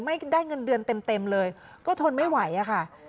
ไม่ได้เงินเดือนเต็มเลยก็ทนไม่ไหวอะค่ะ